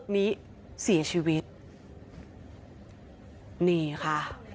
นี่ค่ะ